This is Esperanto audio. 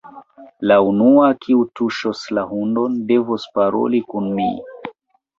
La unua, kiu tuŝos la hundon, devos paroli kun mi.